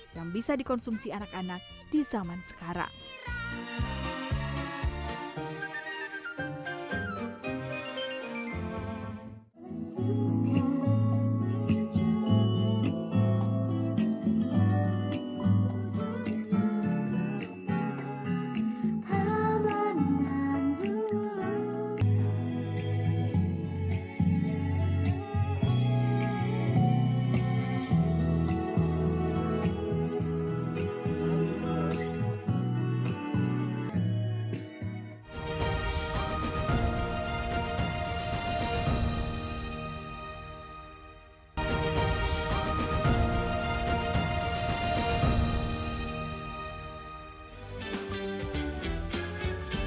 yang bisa dikonsumsi anak anak di zaman sekarang